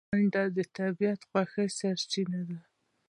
منډه د طبیعي خوښیو سرچینه ده